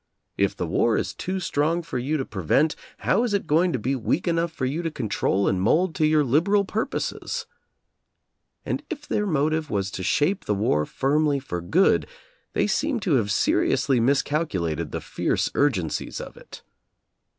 If the war is too strong for you to prevent, how is it going to be weak enough for you to control and mold to your liberal purposes? And if their motive was to shape the war firmly for good, they seem to have seriously miscalculated the fierce urgencies of it.